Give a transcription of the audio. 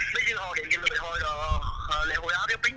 bây giờ họ đến lễ hội a riu pinh